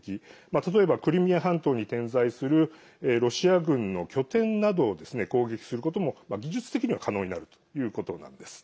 例えばクリミア半島に点在するロシア軍の拠点などを攻撃することも技術的には可能になるということなんです。